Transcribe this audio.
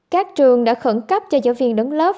các trường đã khẩn cấp cho giáo viên đứng lớp